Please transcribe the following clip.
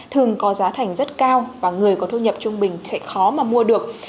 thường có giá thành rất cao và người có thu nhập trung bình sẽ khó mà mua được